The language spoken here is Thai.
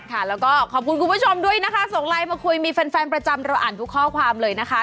ค่ะแล้วก็ขอบคุณคุณผู้ชมด้วยนะคะส่งไลน์มาคุยมีแฟนประจำเราอ่านทุกข้อความเลยนะคะ